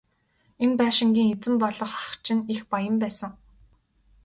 Энэ байшингийн эзэн болох ах чинь их баян байсан.